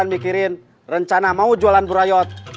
bikirin rencana mau jualan bu rayot